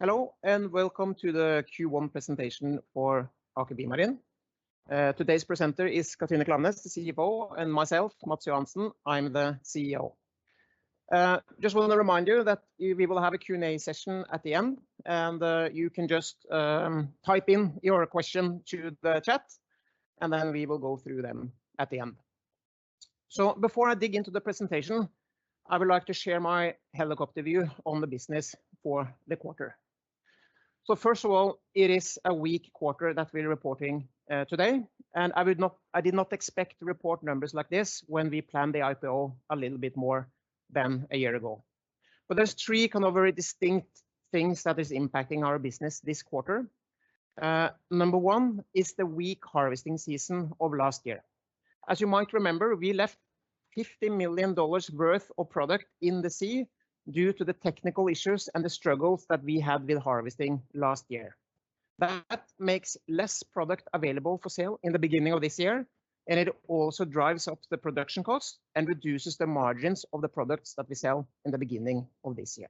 Hello, welcome to the Q1 Presentation for Aker BioMarine. Today's presenter is Katrine Klaveness, the CFO, and myself, Matts Johansen, I'm the CEO. Just want to remind you that we will have a Q&A session at the end. You can just type in your question to the chat. Then we will go through them at the end. Before I dig into the presentation, I would like to share my helicopter view on the business for the quarter. First of all, it is a weak quarter that we're reporting today. I did not expect to report numbers like this when we planned the IPO a little bit more than a year ago. There's three kind of very distinct things that is impacting our business this quarter. Number one is the weak harvesting season of last year. As you might remember, we left $50 million worth of product in the sea due to the technical issues and the struggles that we had with harvesting last year. That makes less product available for sale in the beginning of this year, and it also drives up the production cost and reduces the margins of the products that we sell in the beginning of this year.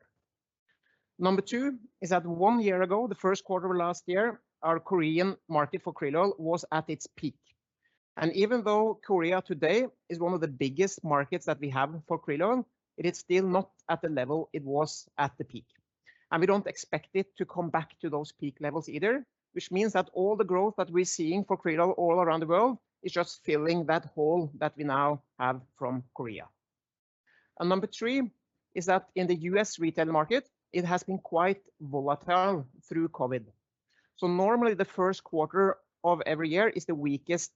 Number two is that one year ago, the first quarter of last year, our Korean market for krill oil was at its peak. Even though Korea today is one of the biggest markets that we have for krill oil, it is still not at the level it was at the peak. We don't expect it to come back to those peak levels either, which means that all the growth that we're seeing for krill oil all around the world is just filling that hole that we now have from Korea. Number three is that in the U.S. retail market, it has been quite volatile through COVID. Normally the first quarter of every year is the weakest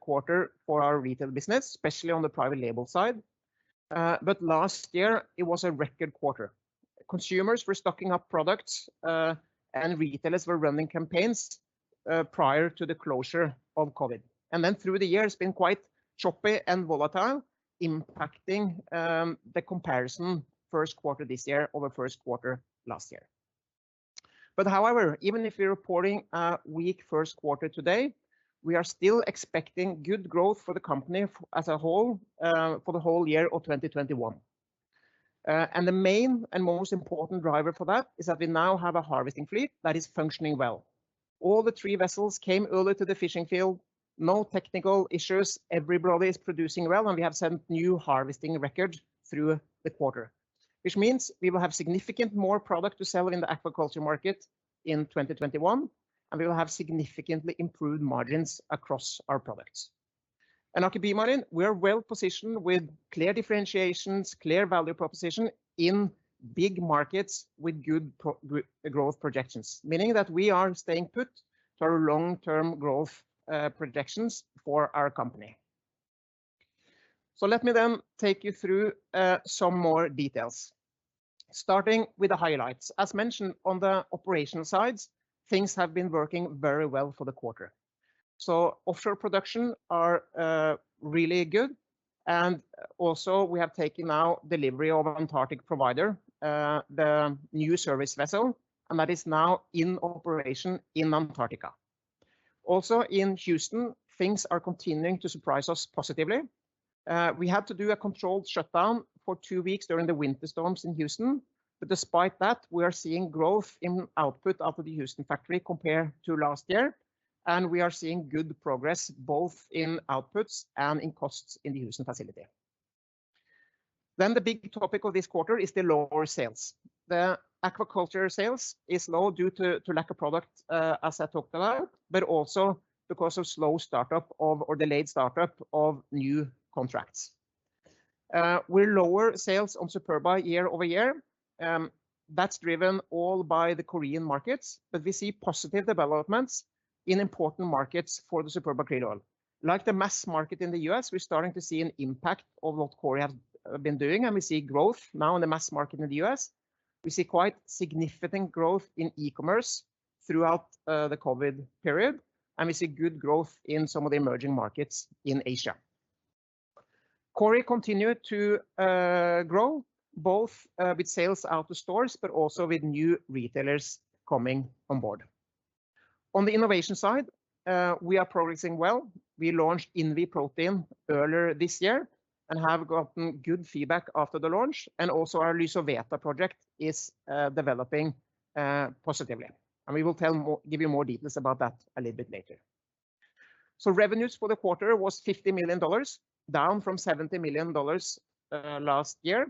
quarter for our retail business, especially on the private label side. Last year it was a record quarter. Consumers were stocking up products, and retailers were running campaigns prior to the closure of COVID. Through the year, it's been quite choppy and volatile, impacting the comparison first quarter of this year over first quarter last year. Even if we're reporting a weak first quarter today, we are still expecting good growth for the company as a whole for the whole year of 2021. The main and most important driver for that is that we now have a harvesting fleet that is functioning well. All the three vessels came early to the fishing field, no technical issues. Everybody is producing well, and we have set new harvesting records through the quarter, which means we will have significant more product to sell in the aquaculture market in 2021, and we will have significantly improved margins across our products. In Aker BioMarine, we are well-positioned with clear differentiations, clear value proposition in big markets with good growth projections, meaning that we are staying put for our long-term growth projections for our company. Let me then take you through some more details, starting with the highlights. As mentioned on the operational sides, things have been working very well for the quarter. Offshore production are really good, and also, we have taken now delivery of Antarctic Provider, the new service vessel, and that is now in operation in Antarctica. Also in Houston, things are continuing to surprise us positively. We had to do a controlled shutdown for two weeks during the winter storms in Houston. Despite that, we are seeing growth in output out of the Houston factory compared to last year, and we are seeing good progress both in outputs and in costs in the Houston facility. The big topic of this quarter is the lower sales. The aquaculture sales is low due to lack of product, as I talked about, but also because of slow startup of or delayed startup of new contracts. We're lower sales on Superba year-over-year. That's driven all by the Korean markets, but we see positive developments in important markets for the Superba Krill Oil. Like the mass market in the U.S., we're starting to see an impact of what Korea have been doing, and we see growth now in the mass market in the U.S. We see quite significant growth in e-commerce throughout the COVID period, and we see good growth in some of the emerging markets in Asia. Kori continued to grow both with sales out of stores but also with new retailers coming on board. On the innovation side, we are progressing well. We launched INVI protein earlier this year and have gotten good feedback after the launch. Also, our Lysoveta project is developing positively. We will give you more details about that a little bit later. Revenues for the quarter was $50 million, down from $70 million last year,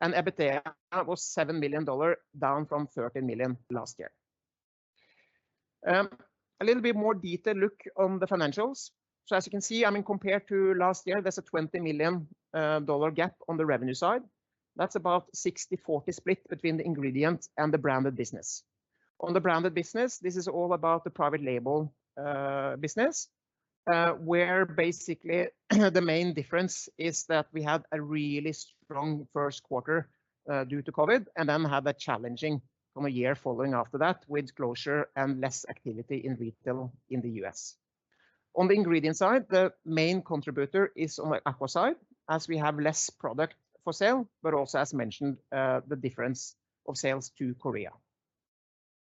and EBITDA was $7 million, down from $30 million last year. A little bit more detailed look on the financials. As you can see, compared to last year, there's a $20 million gap on the revenue side. That's about 60/40 split between the ingredient and the branded business. On the branded business, this is all about the private label business, where basically the main difference is that we had a really strong first quarter due to COVID and then had a challenging year following after that with closure and less activity in retail in the U.S. On the ingredient side, the main contributor is on the aqua side as we have less product for sale, but also, as mentioned, the difference of sales to Korea.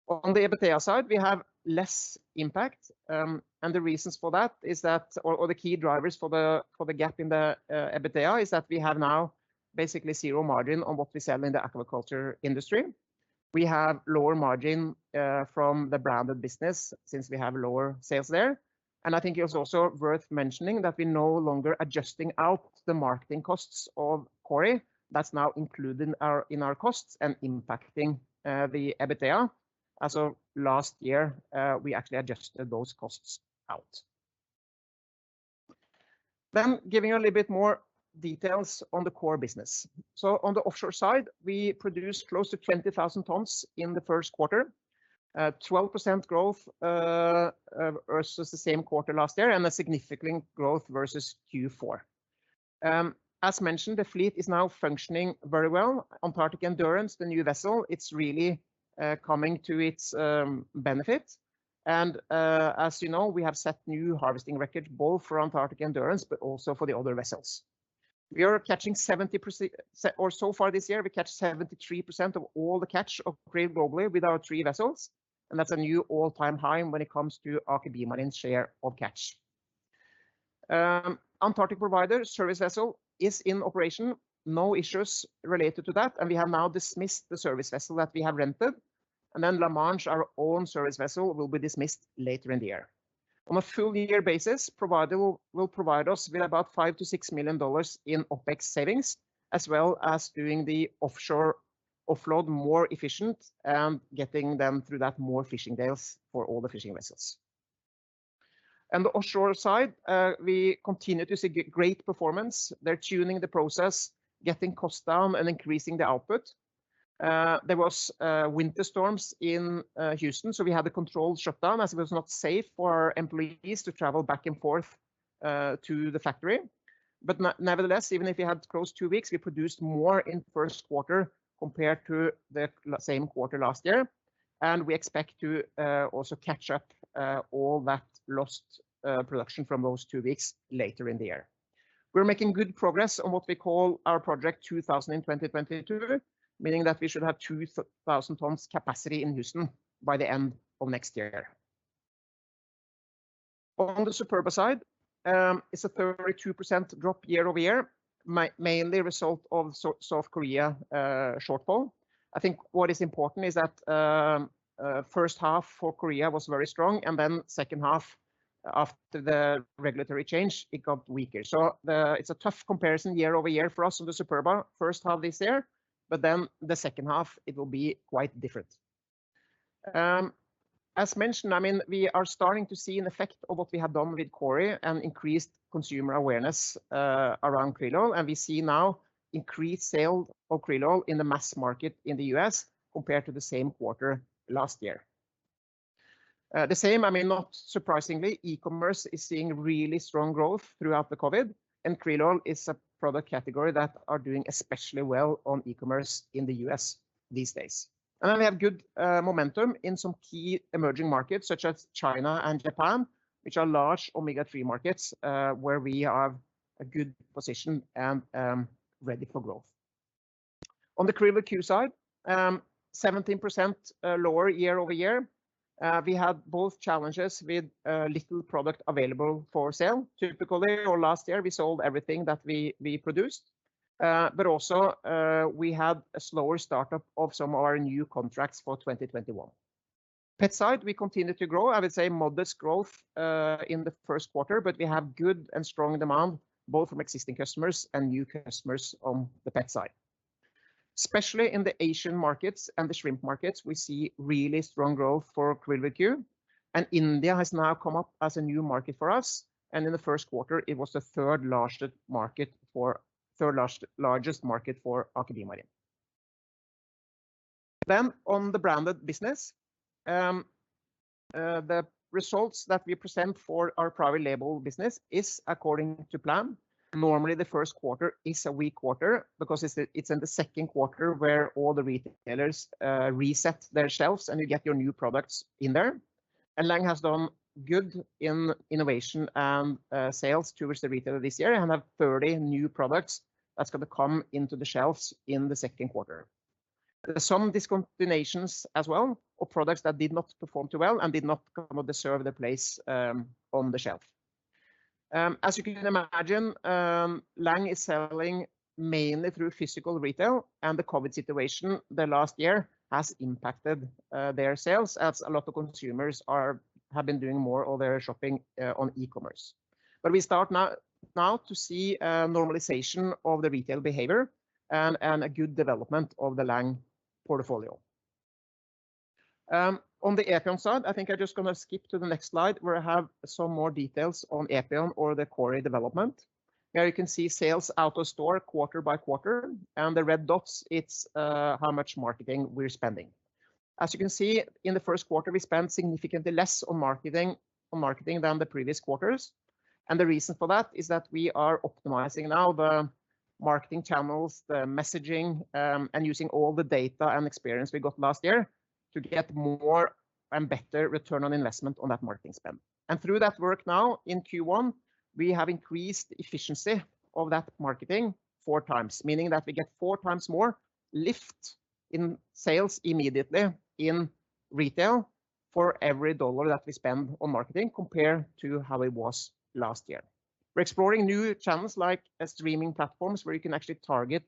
On the EBITDA side, we have less impact. The key drivers for the gap in the EBITDA is that we have now basically zero margin on what we sell in the aquaculture industry. We have lower margin from the branded business since we have lower sales there. I think it's also worth mentioning that we're no longer adjusting out the marketing costs of Kori. That's now included in our costs and impacting the EBITDA. As of last year, we actually adjusted those costs out. Giving you a little bit more details on the core business. On the offshore side, we produced close to 20,000 tons in the first quarter. 12% growth versus the same quarter last year, and a significant growth versus Q4. As mentioned, the fleet is now functioning very well. Antarctic Endurance, the new vessel, it's really coming to its benefit. As you know, we have set new harvesting records both for Antarctic Endurance but also for the other vessels. Far this year, we caught 73% of all the catch of krill globally with our three vessels, and that's a new all-time high when it comes to Aker BioMarine's share of catch. Antarctic Provider service vessel is in operation. No issues related to that; we have now dismissed the service vessel that we have rented. La Manche, our own service vessel, will be dismissed later in the year. On a full-year basis, Provider will provide us with about $5 million-$6 million in OpEx savings, as well as doing the offshore offload more efficient and getting them, through that, more fishing days for all the fishing vessels. On the offshore side, we continue to see great performance. They're tuning the process, getting costs down, and increasing the output. There was winter storms in Houston, so we had a controlled shutdown as it was not safe for our employees to travel back and forth to the factory. Nevertheless, even if we had closed two weeks, we produced more in first quarter compared to the same quarter last year, and we expect to also catch up all that lost production from those two weeks later in the year. We're making good progress on what we call our project 2000 in 2022, meaning that we should have 2,000 tons capacity in Houston by the end of next year. On the Superba side, it's a 32% drop year-over-year. Mainly result of South Korea shortfall. I think what is important is that first half for Korea was very strong, and then second half, after the regulatory change, it got weaker. It's a tough comparison year-over-year for us on the Superba first half this year, but then the second half it will be quite different. As mentioned, we are starting to see an effect of what we have done with Kori and increased consumer awareness around krill oil, and we see now increased sale of krill oil in the mass market in the U.S. compared to the same quarter last year. The same, not surprisingly, e-commerce is seeing really strong growth throughout the COVID, and krill oil is a product category that are doing especially well on e-commerce in the U.S. these days. We have good momentum in some key emerging markets such as China and Japan, which are large omega-3 markets, where we are a good position and ready for growth. On the QRILL Aqua side, 17% lower year-over-year. We had both challenges with little product available for sale. Typically, or last year, we sold everything that we produced. We had a slower startup of some of our new contracts for 2021. Pet side, we continue to grow. I would say modest growth, in the first quarter, but we have good and strong demand both from existing customers and new customers on the pet side. Especially in the Asian markets and the shrimp markets, we see really strong growth for QRILL Aqua, and India has now come up as a new market for us, and in the first quarter it was the third largest market for Aker BioMarine. On the branded business, the results that we present for our private label business is according to plan. Normally, the first quarter is a weak quarter because it's in the second quarter where all the retailers reset their shelves and you get your new products in there. Lang has done good in innovation and sales towards the retailer this year and have 30 new products that's going to come into the shelves in the second quarter. There's some discontinuations as well of products that did not perform too well and did not deserve the place on the shelf. As you can imagine, Lang is selling mainly through physical retail, and the COVID situation the last year has impacted their sales as a lot of consumers have been doing more of their shopping on e-commerce. We start now to see normalization of the retail behavior and a good development of the Lang portfolio. On the Aker side, I think I'm just going to skip to the next slide, where I have some more details on Aker or the Kori development. Here you can see sales out of store quarter by quarter, and the red dots, it's how much marketing we're spending. As you can see, in the first quarter, we spent significantly less on marketing than the previous quarters. The reason for that is that we are optimizing now the marketing channels, the messaging, and using all the data and experience we got last year to get more and better return on investment on that marketing spend. Through that work now in Q1, we have increased the efficiency of that marketing four times, meaning that we get four times more lift in sales immediately in retail for every dollar that we spend on marketing compared to how it was last year. We're exploring new channels like streaming platforms where you can actually target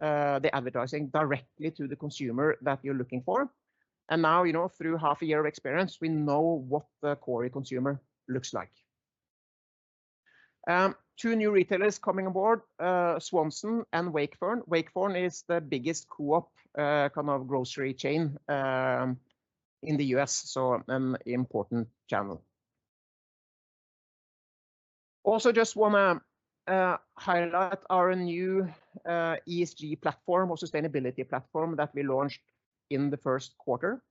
the advertising directly to the consumer that you're looking for. Now, through half a year of experience, we know what the core consumer looks like. Two new retailers coming aboard, Swanson and Wakefern. Wakefern is the biggest co-op kind of grocery chain in the U.S., so an important channel. Also just want to highlight our new ESG platform or sustainability platform that we launched in the first quarter.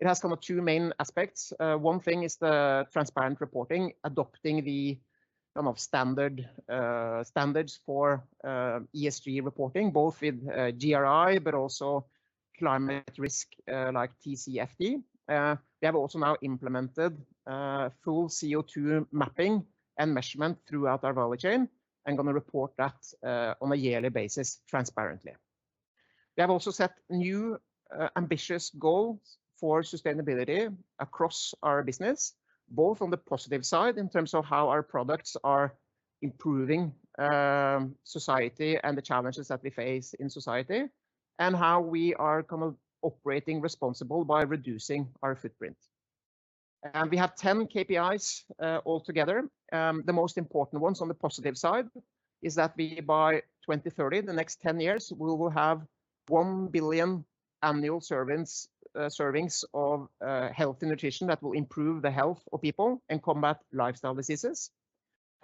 It has kind of two main aspects. One thing is the transparent reporting, adopting the standards for ESG reporting, both with GRI, but also climate risk, like TCFD. We have also now implemented full CO2 mapping and measurement throughout our value chain and going to report that on a yearly basis transparently. We have also set new ambitious goals for sustainability across our business, both on the positive side in terms of how our products are improving society and the challenges that we face in society, and how we are kind of operating responsible by reducing our footprint. We have 10 KPIs altogether. The most important ones on the positive side is that by 2030, the next 10 years, we will have 1 billion annual servings of healthy nutrition that will improve the health of people and combat lifestyle diseases.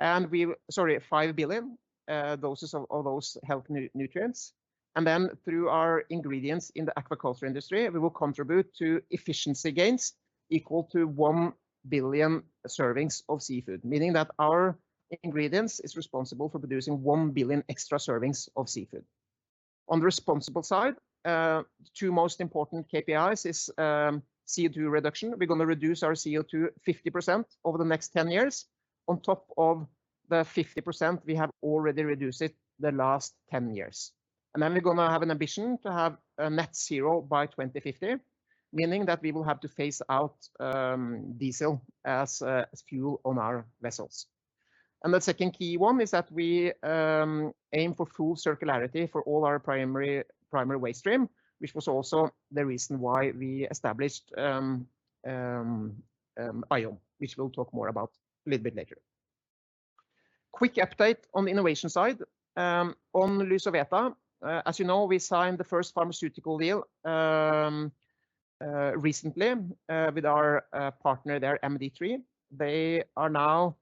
Sorry, 5 billion doses of those health nutrients. Through our ingredients in the aquaculture industry, we will contribute to efficiency gains equal to 1 billion servings of seafood, meaning that our ingredients is responsible for producing 1 billion extra servings of seafood. On the responsible side, two most important KPIs is CO2 reduction. We're going to reduce our CO2 50% over the next 10 years on top of the 50% we have already reduced it the last 10 years. We're going to have an ambition to have a net zero by 2050, meaning that we will have to phase out diesel as fuel on our vessels. The second key one is that we aim for full circularity for all our primary waste stream, which was also the reason why we established AION, which we'll talk more about a little bit later. Quick update on the innovation side. On Lysoveta, as you know, we signed the first pharmaceutical deal recently with our partner there, MD3. They are now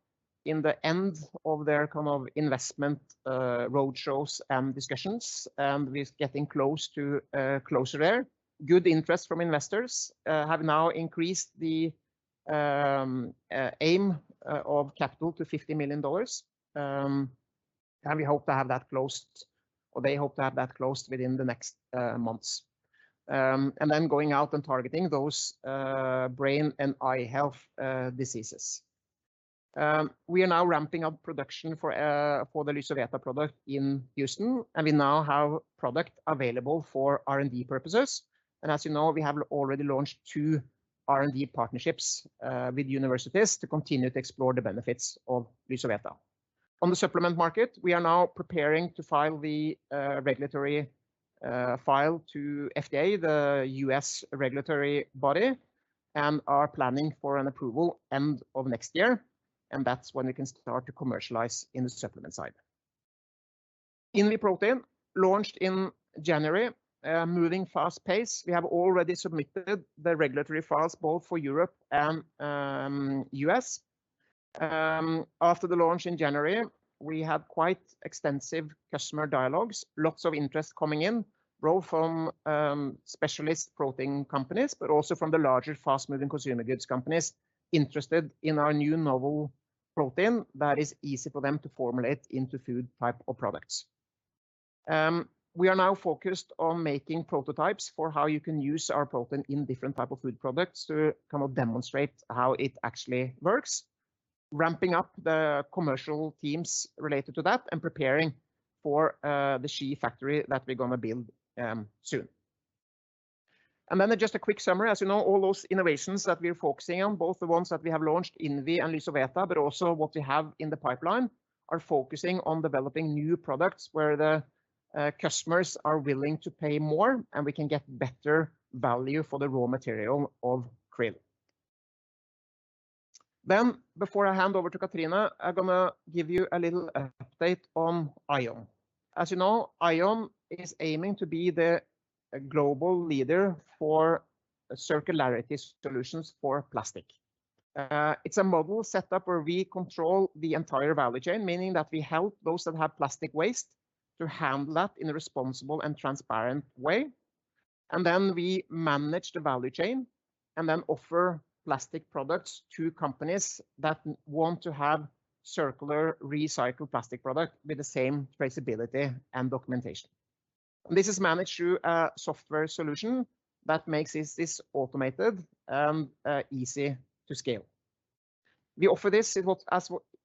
in the end of their kind of investment road shows and discussions, we're getting closer there. Good interest from investors have now increased the aim of capital to $50 million. We hope to have that closed, or they hope to have that closed within the next months. Going out and targeting those brain and eye health diseases. We are now ramping up production for the Lysoveta product in Houston, and we now have product available for R&D purposes. As you know, we have already launched two R&D partnerships with universities to continue to explore the benefits of Lysoveta. On the supplement market, we are now preparing to file the regulatory file to FDA, the U.S. regulatory body, and are planning for an approval end of next year, and that's when we can start to commercialize in the supplement side. INVI protein, launched in January, moving fast pace. We have already submitted the regulatory files both for Europe and U.S. After the launch in January, we had quite extensive customer dialogues, lots of interest coming in, both from specialist protein companies, but also from the larger, fast-moving consumer goods companies interested in our new novel protein that is easy for them to formulate into food type of products. We are now focused on making prototypes for how you can use our protein in different type of food products to kind of demonstrate how it actually works, ramping up the commercial teams related to that and preparing for the Ski factory that we're going to build soon. Just a quick summary. As you know, all those innovations that we're focusing on, both the ones that we have launched, INVI and Lysoveta, but also what we have in the pipeline, are focusing on developing new products where the customers are willing to pay more, and we can get better value for the raw material of krill. Before I hand over to Katrine, I'm going to give you a little update on AION. As you know, AION is aiming to be the global leader for circularity solutions for plastic. It's a model set up where we control the entire value chain, meaning that we help those that have plastic waste to handle that in a responsible and transparent way. We manage the value chain and then offer plastic products to companies that want to have circular recycled plastic product with the same traceability and documentation. This is managed through a software solution that makes this automated and easy to scale. We offer this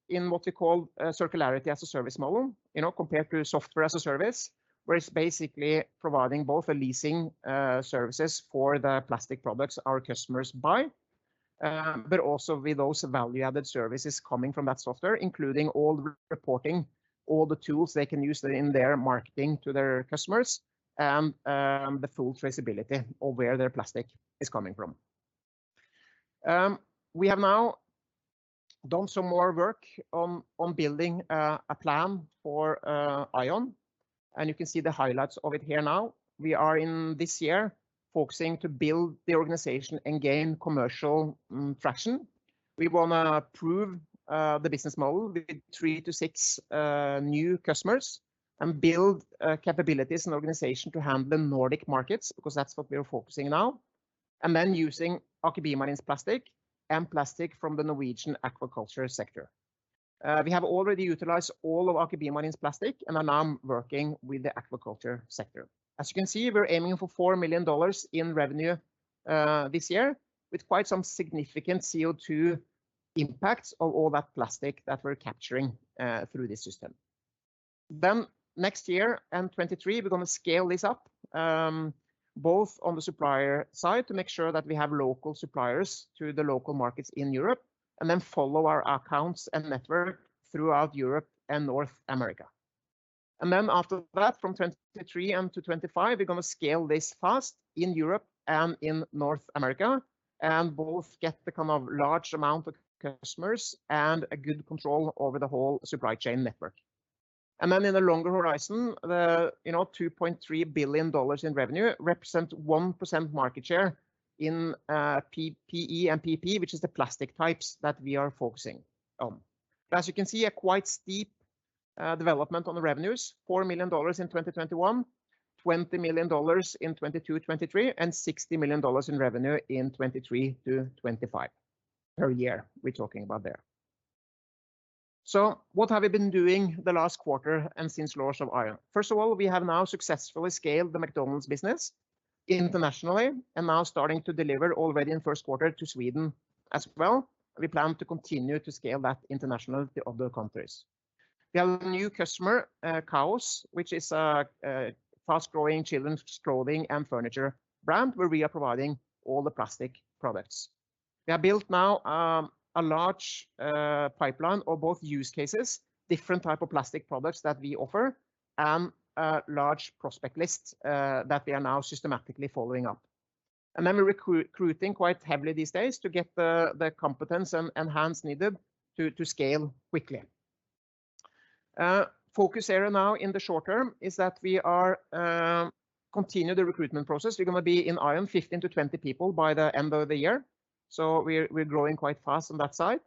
in what we call a circularity-as-a-service model, compared to software-as-a-service, where it's basically providing both leasing services for the plastic products our customers buy, but also with those value-added services coming from that software, including all the reporting, all the tools they can use in their marketing to their customers, and the full traceability of where their plastic is coming from. We have now done some more work on building a plan for AION, and you can see the highlights of it here now. We are in this year focusing to build the organization and gain commercial traction. We want to prove the business model with three to six new customers and build capabilities and organization to handle Nordic markets, because that's what we are focusing now. Using Aker BioMarine's plastic and plastic from the Norwegian aquaculture sector. We have already utilized all of Aker BioMarine's plastic and are now working with the aquaculture sector. As you can see, we're aiming for $4 million in revenue this year, with quite some significant CO2 impacts of all that plastic that we're capturing through this system. Next year, in 2023, we're going to scale this up, both on the supplier side to make sure that we have local suppliers through the local markets in Europe, then follow our accounts and network throughout Europe and North America. After that, from 2023-2025, we're going to scale this fast in Europe and in North America, both get the large amount of customers and a good control over the whole supply chain network. In the longer horizon, the $2.3 billion in revenue represents 1% market share in PE and PP, which is the plastic types that we are focusing on. As you can see, a quite steep development on the revenues, $4 million in 2021, $20 million in 2022, 2023, $60 million in revenue in 2023-2025, per year we're talking about there. What have we been doing the last quarter and since launch of AION? First of all, we have now successfully scaled the McDonald's business internationally and now starting to deliver already in first quarter to Sweden as well. We plan to continue to scale that internationally to other countries. We have a new customer, KAOS, which is a fast-growing children's clothing and furniture brand, where we are providing all the plastic products. We have built now a large pipeline of both use cases, different type of plastic products that we offer, and a large prospect list that we are now systematically following up. We're recruiting quite heavily these days to get the competence and hands needed to scale quickly. Focus area now in the short term is that we are continue the recruitment process. We're going to be in AION 15-20 people by the end of the year, so we're growing quite fast on that side.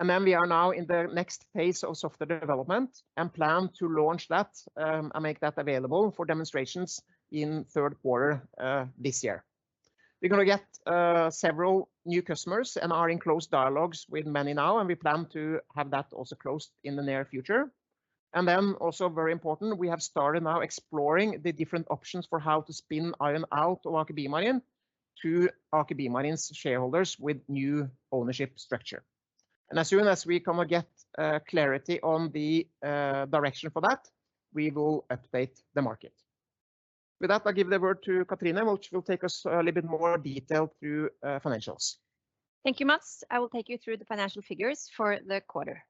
We are now in the next phase of software development and plan to launch that and make that available for demonstrations in third quarter this year. We're going to get several new customers and are in close dialogues with many now, and we plan to have that also closed in the near future. Also very important, we have started now exploring the different options for how to spin AION out of Aker BioMarine to Aker BioMarine's shareholders with new ownership structure. As soon as we get clarity on the direction for that, we will update the market. With that, I'll give the word to Katrine, which will take us a little bit more detail through financials. Thank you, Matts. I will take you through the financial figures for the quarter.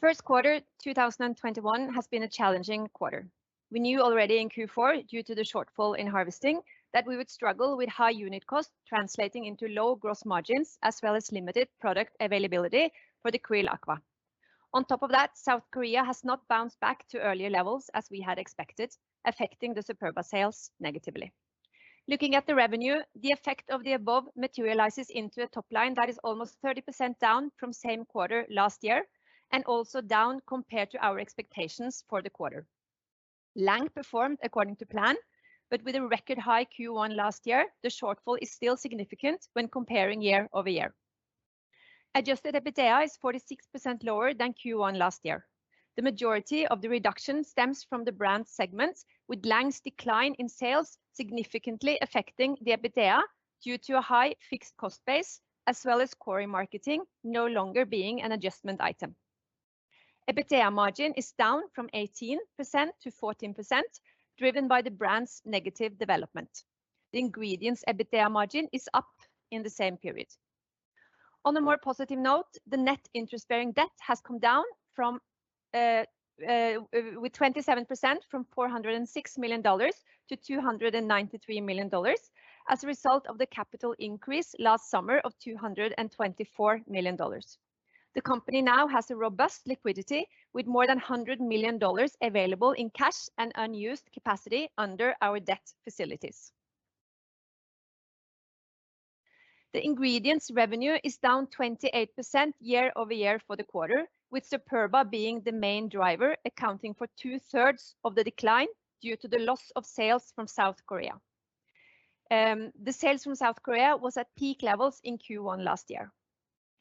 First quarter 2021 has been a challenging quarter. We knew already in Q4, due to the shortfall in harvesting, that we would struggle with high unit costs translating into low gross margins, as well as limited product availability for the QRILL Aqua. On top of that, South Korea has not bounced back to earlier levels as we had expected, affecting the Superba sales negatively. Looking at the revenue, the effect of the above materializes into a top line that is almost 30% down from same quarter last year, and also down compared to our expectations for the quarter. Lang performed according to plan, but with a record high Q1 last year, the shortfall is still significant when comparing year-over-year. Adjusted EBITDA is 46% lower than Q1 last year. The majority of the reduction stems from the brand segment, with Lang's decline in sales significantly affecting the EBITDA due to a high fixed cost base, as well as Kori marketing no longer being an adjustment item. EBITDA margin is down from 18%-14%, driven by the brand's negative development. The ingredient's EBITDA margin is up in the same period. On a more positive note, the net interest-bearing debt has come down with 27% from $406 million-$293 million as a result of the capital increase last summer of $224 million. The company now has a robust liquidity with more than $100 million available in cash and unused capacity under our debt facilities. The ingredient's revenue is down 28% year-over-year for the quarter, with Superba being the main driver, accounting for two-thirds of the decline due to the loss of sales from South Korea. The sales from South Korea was at peak levels in Q1 last year.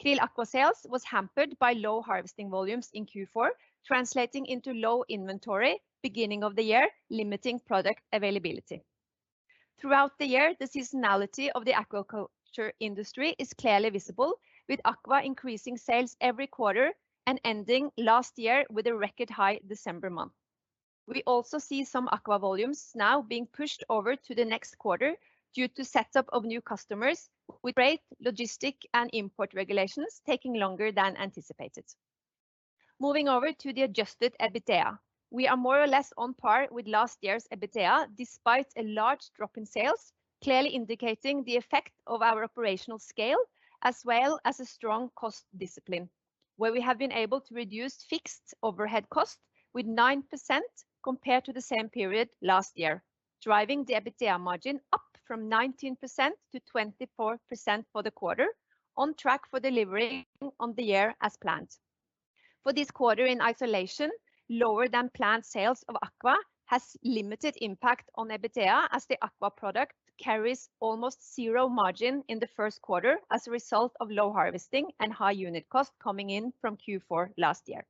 QRILL Aqua sales was hampered by low harvesting volumes in Q4, translating into low inventory beginning of the year, limiting product availability. Throughout the year, the seasonality of the aquaculture industry is clearly visible, with Aqua increasing sales every quarter and ending last year with a record high December month. We also see some Aqua volumes now being pushed over to the next quarter due to setup of new customers with frei logistic and import regulations taking longer than anticipated. Moving over to the adjusted EBITDA. We are more or less on par with last year's EBITDA, despite a large drop in sales, clearly indicating the effect of our operational scale, as well as a strong cost discipline, where we have been able to reduce fixed overhead cost with 9% compared to the same period last year, driving the EBITDA margin up from 19%-24% for the quarter, on track for delivering on the year as planned. For this quarter in isolation, lower-than-planned sales of Aqua has limited impact on EBITDA, as the Aqua product carries almost zero margin in the first quarter as a result of low harvesting and high unit cost coming in from Q4 last year.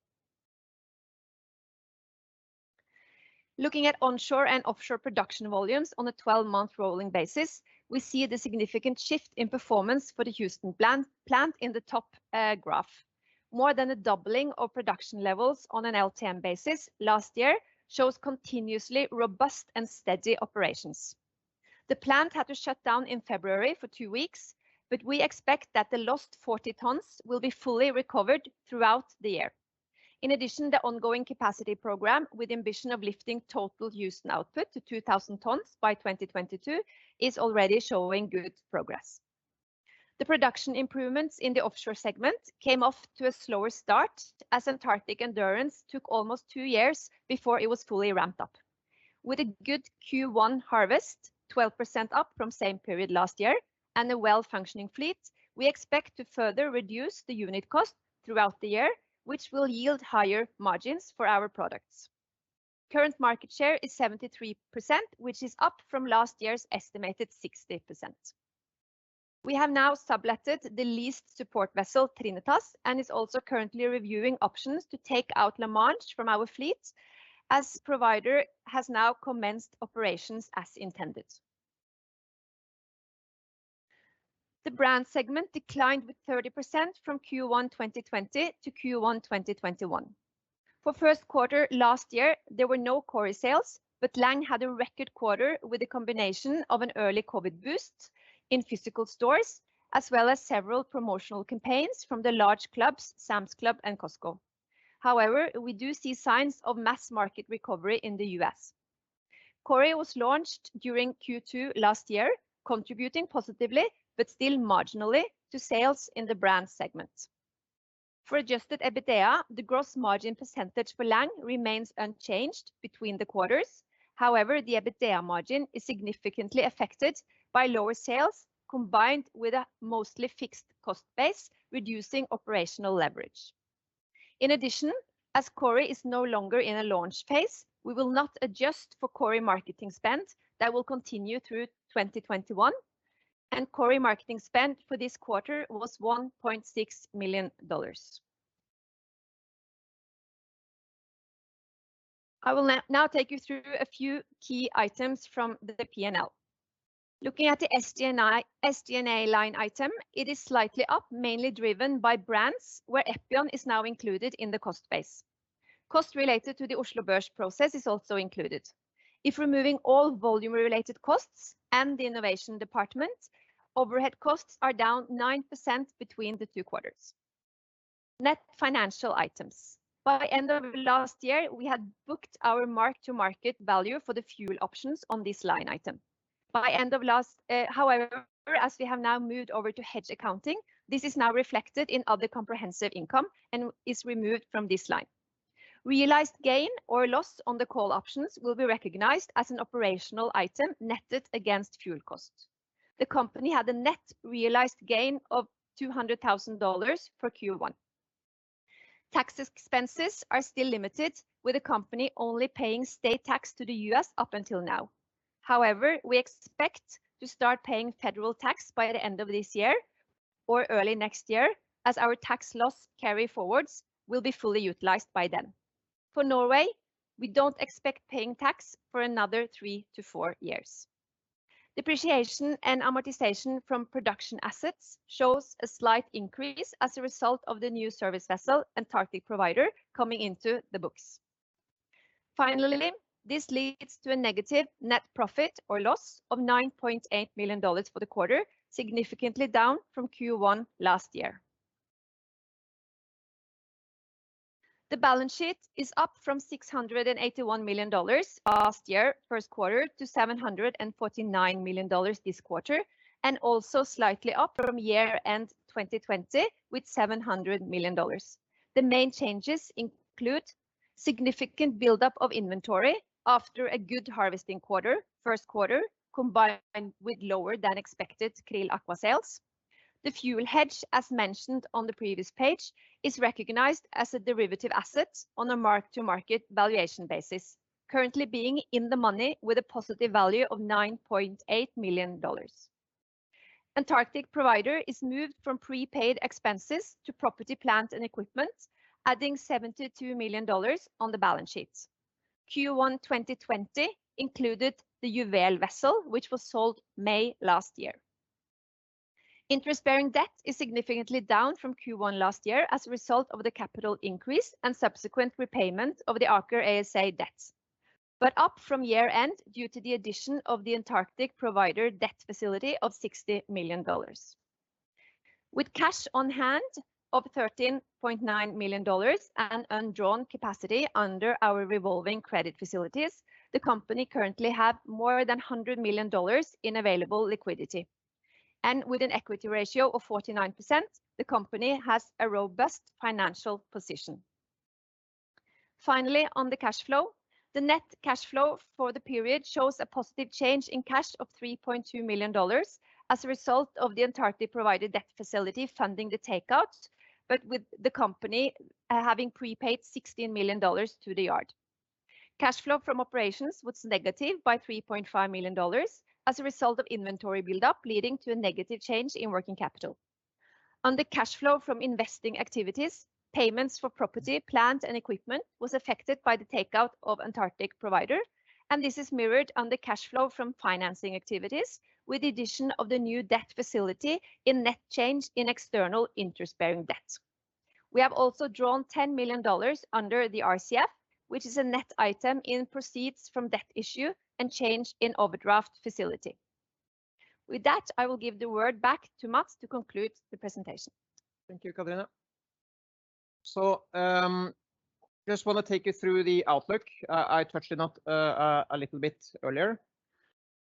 Looking at onshore and offshore production volumes on a 12-month rolling basis, we see the significant shift in performance for the Houston plant in the top graph. More than a doubling of production levels on an LTM basis last year shows continuously robust and steady operations. The plant had to shut down in February for two weeks, but we expect that the lost 40 tons will be fully recovered throughout the year. In addition, the ongoing capacity program, with the ambition of lifting total Houston output to 2,000 tons by 2022, is already showing good progress. The production improvements in the offshore segment came off to a slower start, as Antarctic Endurance took almost two years before it was fully ramped up. With a good Q1 harvest, 12% up from same period last year, and a well-functioning fleet, we expect to further reduce the unit cost throughout the year, which will yield higher margins for our products. Current market share is 73%, which is up from last year's estimated 60%. We have now sublated the leased support vessel, Trinitas, and is also currently reviewing options to take out La Manche from our fleet, as Provider has now commenced operations as intended. The brand segment declined with 30% from Q1 2020 to Q1 2021. For first quarter last year, there were no Kori sales, but Lang had a record quarter with a combination of an early COVID boost in physical stores, as well as several promotional campaigns from the large clubs, Sam's Club and Costco. We do see signs of mass market recovery in the U.S. Kori was launched during Q2 last year, contributing positively, but still marginally, to sales in the brand segment. For adjusted EBITDA, the gross margin percentage for Lang remains unchanged between the quarters. The EBITDA margin is significantly affected by lower sales, combined with a mostly fixed cost base, reducing operational leverage. In addition, as Kori is no longer in a launch phase, we will not adjust for Kori marketing spend. That will continue through 2021. Kori marketing spend for this quarter was $1.6 million. I will now take you through a few key items from the P&L. Looking at the SG&A line item, it is slightly up, mainly driven by brands where Epion is now included in the cost base. Cost related to the Oslo Børs process is also included. If removing all volume-related costs and the innovation department, overhead costs are down 9% between the two quarters. Net financial items. By end of last year, we had booked our mark-to-market value for the fuel options on this line item. By end of last, however, as we have now moved over to hedge accounting, this is now reflected in other comprehensive income and is removed from this line. Realized gain or loss on the call options will be recognized as an operational item netted against fuel cost. The company had a net realized gain of $200,000 for Q1. Tax expenses are still limited, with the company only paying state tax to the U.S. up until now. However, we expect to start paying federal tax by the end of this year or early next year, as our tax loss carryforwards will be fully utilized by then. For Norway, we don't expect paying tax for another three to four years. Depreciation and amortization from production assets shows a slight increase as a result of the new service vessel, Antarctic Provider, coming into the books. Finally, this leads to a negative net profit or loss of $9.8 million for the quarter, significantly down from Q1 last year. The balance sheet is up from $681 million last year, first quarter, to $749 million this quarter, and also slightly up from year-end 2020 with $700 million. The main changes include significant buildup of inventory after a good harvesting quarter, first quarter, combined with lower-than-expected QRILL Aqua sales. The fuel hedge, as mentioned on the previous page, is recognized as a derivative asset on a mark-to-market valuation basis, currently being in the money with a positive value of $9.8 million. Antarctic Provider is moved from prepaid expenses to property, plant, and equipment, adding $72 million on the balance sheets. Q1 2020 included the Juvel vessel, which was sold May last year. Interest-bearing debt is significantly down from Q1 last year as a result of the capital increase and subsequent repayment of the Aker ASA debts, but up from year-end due to the addition of the Antarctic Provider debt facility of $60 million. With cash on hand of $13.9 million and undrawn capacity under our revolving credit facilities, the company currently have more than $100 million in available liquidity. With an equity ratio of 49%, the company has a robust financial position. Finally, on the cash flow, the net cash flow for the period shows a positive change in cash of $3.2 million as a result of the Antarctic Provider debt facility funding the takeout, but with the company having prepaid $16 million to the yard. Cash flow from operations was negative by $3.5 million as a result of inventory build-up, leading to a negative change in working capital. On the cash flow from investing activities, payments for property, plant, and equipment was affected by the takeout of Antarctic Provider, and this is mirrored on the cash flow from financing activities with the addition of the new debt facility in net change in external interest-bearing debts. We have also drawn $10 million under the RCF, which is a net item in proceeds from debt issue and change in overdraft facility. With that, I will give the word back to Matts to conclude the presentation. Thank you, Katrine. Just want to take you through the outlook. I touched it on a little bit earlier.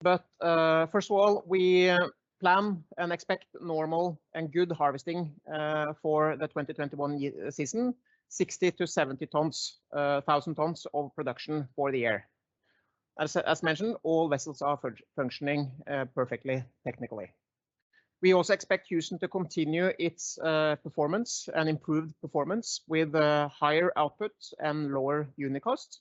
First of all, we plan and expect normal and good harvesting for the 2021 season, 60,000-70,000 tons of production for the year. As mentioned, all vessels are functioning perfectly technically. We also expect Houston to continue its performance and improved performance with higher output and lower unit cost.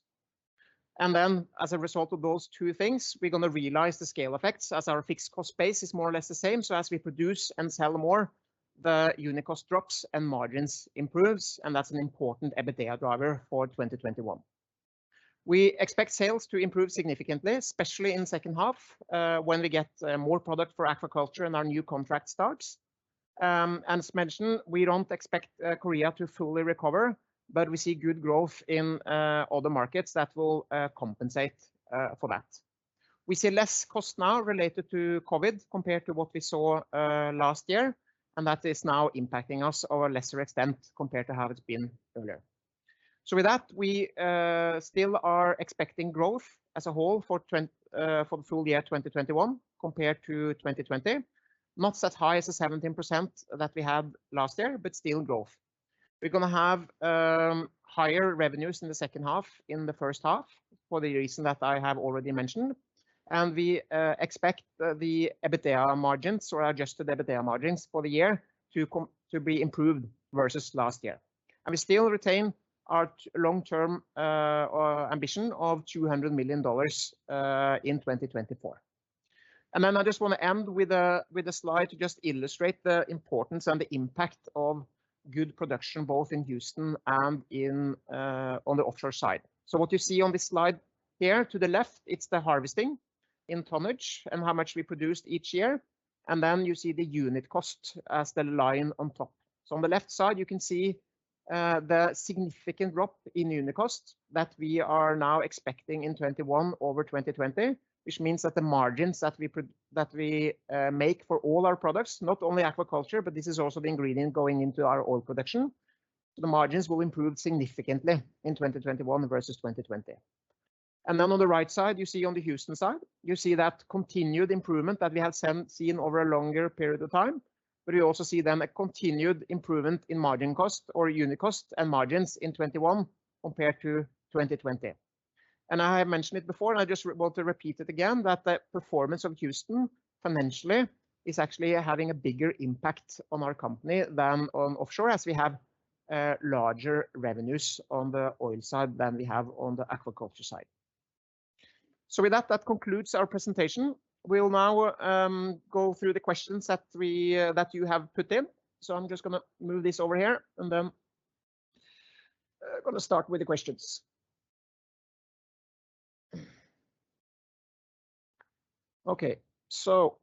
As a result of those two things, we're going to realize the scale effects as our fixed cost base is more or less the same. As we produce and sell more, the unit cost drops and margins improves, and that's an important EBITDA driver for 2021. We expect sales to improve significantly, especially in second half when we get more product for aquaculture and our new contract starts. As mentioned, we don't expect Korea to fully recover, but we see good growth in other markets that will compensate for that. We see less cost now related to COVID compared to what we saw last year, and that is now impacting us over a lesser extent compared to how it's been earlier. With that, we still are expecting growth as a whole for full year 2021 compared to 2020. Not as high as the 17% that we had last year, but still growth. We're going to have higher revenues in the second half in the first half for the reason that I have already mentioned, and we expect the EBITDA margins or adjusted EBITDA margins for the year to be improved versus last year. We still retain our long-term ambition of $200 million in 2024. Then I just want to end with a slide to just illustrate the importance and the impact of good production, both in Houston and on the offshore side. What you see on this slide here to the left, it's the harvesting in tonnage and how much we produced each year. Then you see the unit cost as the line on top. On the left side, you can see the significant drop in unit cost that we are now expecting in 2021 over 2020, which means that the margins that we make for all our products, not only aquaculture, but this is also the ingredient going into our oil production. The margins will improve significantly in 2021 versus 2020. Then on the right side, you see on the Houston side, you see that continued improvement that we have seen over a longer period of time. We also see then a continued improvement in margin cost or unit cost and margins in 2021 compared to 2020. I have mentioned it before, and I just want to repeat it again, that the performance of Houston financially is actually having a bigger impact on our company than on offshore as we have larger revenues on the oil side than we have on the aquaculture side. With that concludes our presentation. We'll now go through the questions that you have put in. I'm just going to move this over here and then going to start with the questions. Okay. First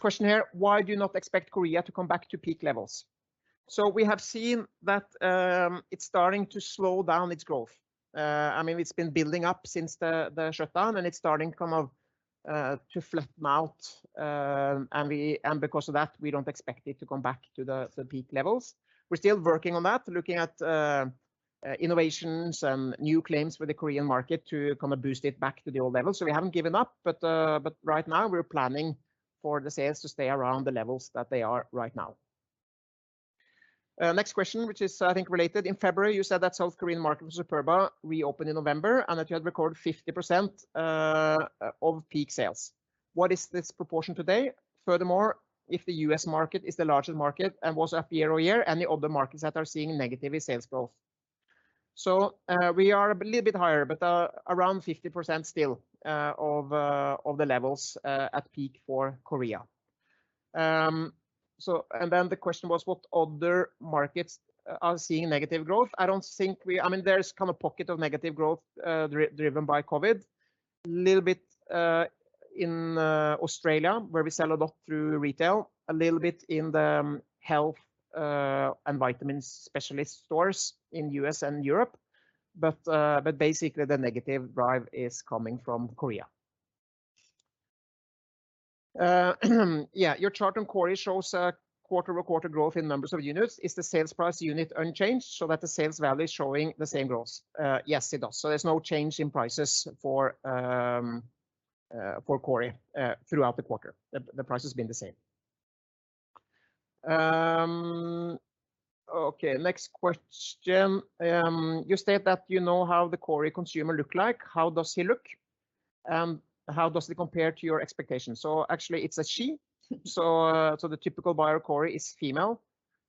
question here, why do you not expect Korea to come back to peak levels? We have seen that it's starting to slow down its growth. It's been building up since the shutdown and it's starting to flatten out and because of that, we don't expect it to come back to the peak levels. We're still working on that, looking at innovations and new claims for the Korean market to boost it back to the old level. We haven't given up, but right now we're planning for the sales to stay around the levels that they are right now. Next question, which is I think related. In February, you said that South Korean market for Superba reopened in November, and that you had recorded 50% of peak sales. What is this proportion today? Furthermore, if the U.S. market is the largest market and was up year-over-year, and the other markets that are seeing negative sales growth. We are a little bit higher, but around 50% still of the levels at peak for Korea. The question was what other markets are seeing negative growth? There's pocket of negative growth, driven by COVID. Little bit in Australia where we sell a lot through retail, a little bit in the health and vitamin specialist stores in U.S. and Europe. Basically, the negative drive is coming from Korea. Yeah, your chart on Kori shows quarter-over-quarter growth in numbers of units. Is the sales price unit unchanged so that the sales value is showing the same growth? Yes, it does. There's no change in prices for Kori throughout the quarter, the price has been the same. Okay, next question. You state that you know how the Kori consumer look like, how does he look? How does he compare to your expectations? Actually, it's a she. The typical buyer of Kori is female,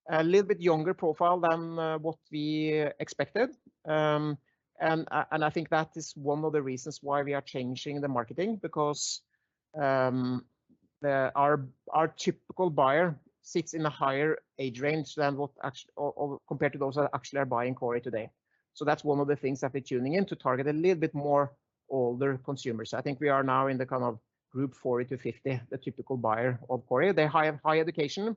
a little bit younger profile than what we expected. I think that is one of the reasons why we are changing the marketing because our typical buyer sits in a higher age range compared to those that actually are buying Kori today. That's one of the things that we're tuning in to target a little bit more older consumers. I think we are now in the kind of group 40-50, the typical buyer of Kori. They have high education,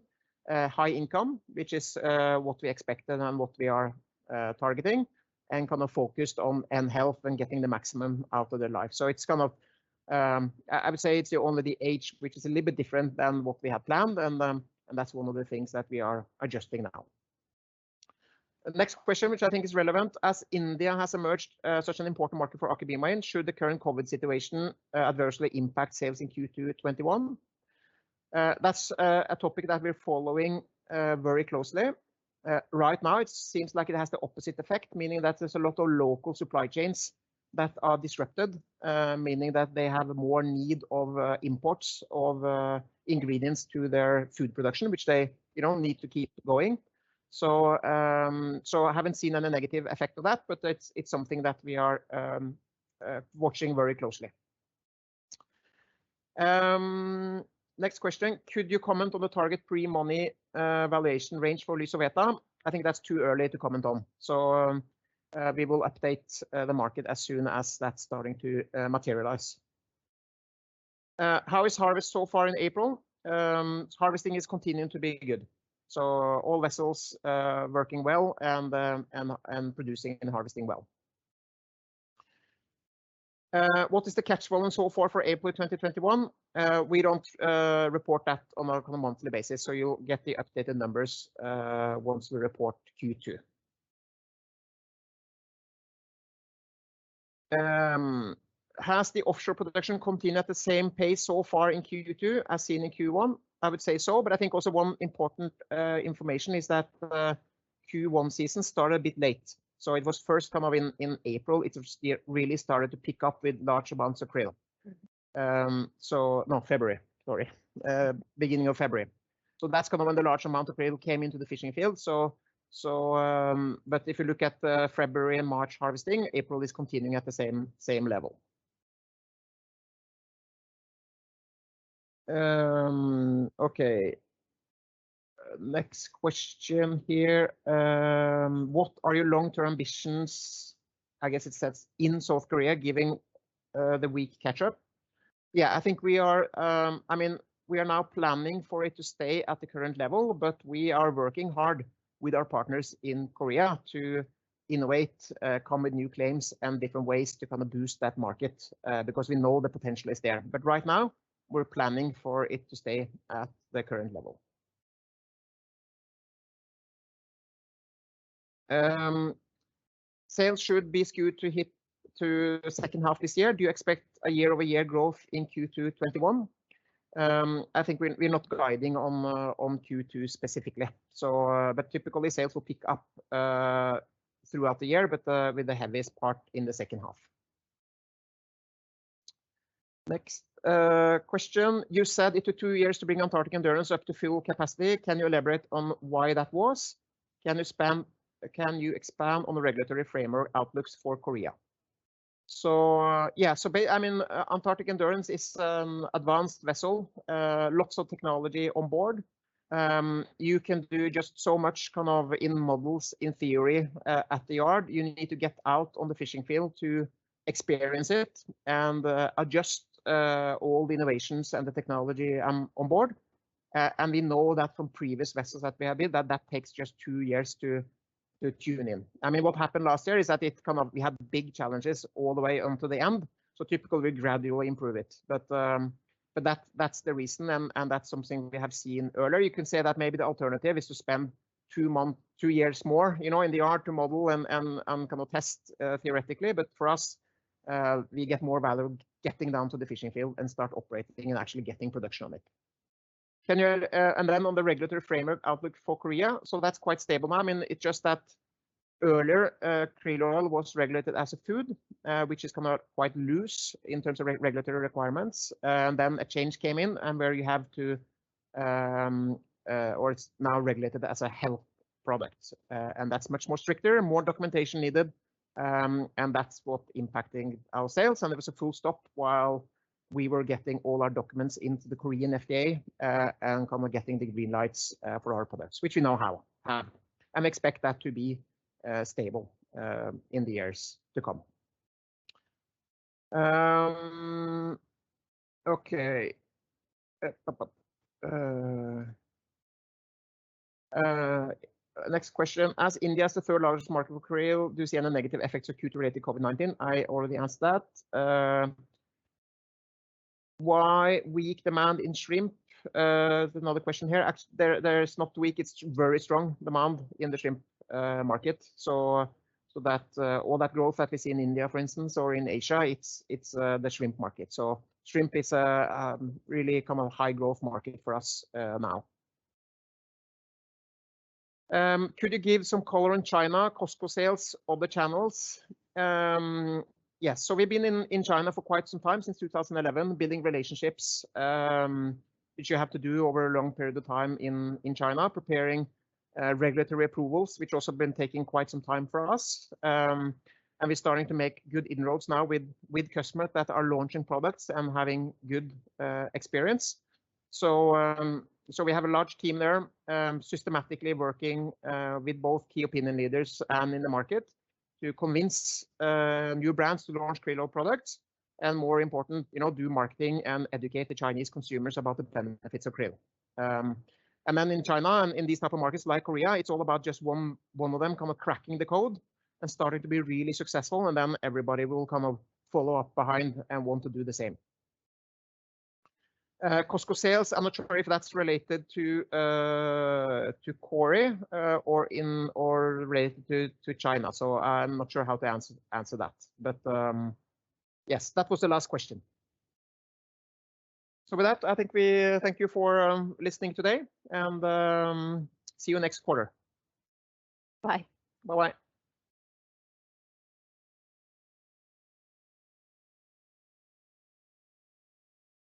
high income, which is what we expected and what we are targeting, and kind of focused on health and getting the maximum out of their life. I would say it's only the age which is a little bit different than what we had planned, and that's one of the things that we are adjusting now. Next question, which I think is relevant. As India has emerged such an important market for Aker BioMarine, should the current COVID situation adversely impact sales in Q2 2021? That's a topic that we're following very closely. Right now, it seems like it has the opposite effect, meaning that there's a lot of local supply chains that are disrupted, meaning that they have more need of imports of ingredients to their food production, which they need to keep going. I haven't seen any negative effect of that, but it's something that we are watching very closely. Next question. Could you comment on the target pre-money valuation range for Lysoveta? I think that's too early to comment on, so we will update the market as soon as that's starting to materialize. How is harvest so far in April? Harvesting is continuing to be good. All vessels working well and producing and harvesting well. What is the catch volume so far for April 2021? We don't report that on a monthly basis; you'll get the updated numbers once we report Q2. Has the offshore production continued at the same pace so far in Q2 as seen in Q1? I would say so, I think also one important information is that the Q1 season started a bit late. It was first in April; it really started to pick up with large amounts of krill. No, February, sorry. Beginning of February. That's when the large amount of krill came into the fishing field. If you look at the February and March harvesting, April is continuing at the same level. Okay, next question here. What are your long-term ambitions, I guess it says, in South Korea, given the weak catch up? I think we are now planning for it to stay at the current level, we are working hard with our partners in Korea to innovate common new claims and different ways to boost that market, because we know the potential is there. Right now, we're planning for it to stay at the current level. Sales should be skewed to second half this year. Do you expect a year-over-year growth in Q2 2021? I think we're not guiding on Q2 specifically. Typically, sales will pick up throughout the year, but with the heaviest part in the second half. Next question, you said it took two years to bring Antarctic Endurance up to full capacity. Can you elaborate on why that was? Can you expand on the regulatory framework outlooks for Korea? Yeah, Antarctic Endurance is advanced vessel, lots of technology on board. You can do just so much in models in theory at the yard. You need to get out on the fishing field to experience it and adjust all the innovations and the technology on board. We know that from previous vessels that we have built, that that takes just two years to tune in. What happened last year is that we had big challenges all the way until the end. Typically, we gradually improve it. That's the reason, and that's something we have seen earlier. You can say that maybe the alternative is to spend two years more in the yard to model and test theoretically. For us, we get more value getting down to the fishing field and start operating and actually getting production on it. On the regulatory framework outlook for Korea, that's quite stable now. It's just that earlier krill oil was regulated as a food, which has come out quite loose in terms of regulatory requirements. A change came in where it's now regulated as a health product, and that's much more stricter and more documentation needed, and that's what impacting our sales. There was a full stop while we were getting all our documents into the Korean FDA, and getting the green lights for our products, which we now have. I expect that to be stable in the years to come. Okay, next question: As India is the third largest market for krill, do you see any negative effects accrued related to COVID-19? I already answered that. Why weak demand in shrimp? Another question here. Actually, there is not weak, it's very strong demand in the shrimp market. All that growth that we see in India, for instance, or in Asia, it's the shrimp market. Shrimp is a really high growth market for us now. Could you give some color on China Costco sales, other channels? Yes, we've been in China for quite some time, since 2011, building relationships, which you have to do over a long period of time in China, preparing regulatory approvals, which also have been taking quite some time for us. We're starting to make good inroads now with customers that are launching products and having good experience. We have a large team there systematically working with both key opinion leaders and in the market to convince new brands to launch krill oil products, and more important, do marketing and educate the Chinese consumers about the benefits of krill. In China and in these type of markets like Korea, it's all about just one of them cracking the code and starting to be really successful, and then everybody will follow up behind and want to do the same. Costco sales, I'm not sure if that's related to Kori or related to China. I'm not sure how to answer that. Yes, that was the last question. With that, I thank you for listening today, and see you next quarter. Bye. Bye-bye.